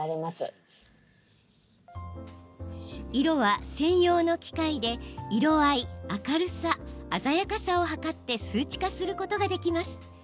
色は、専用の機械で色合い・明るさ・鮮やかさを測って数値化することができます。